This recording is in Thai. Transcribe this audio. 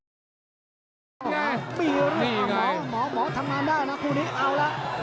ติดตามยังน้อยกว่า